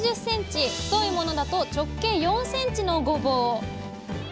太いものだと直径４ｃｍのごぼう。